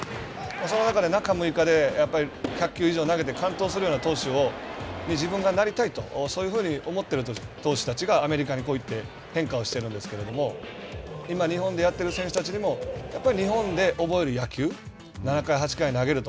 その中で中６日で１００球以上投げて完投するような投手に自分がなりたいと、そういうふうに思っている投手たちがアメリカに行って変化しているんですけれども、今、日本でやっている選手たちも日本で覚える野球、７回、８回投げると。